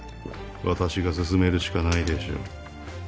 私が進めるしかないでしょう。